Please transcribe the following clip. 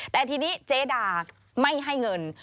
แต่ทีนี้เจดาไม่ให้เงิน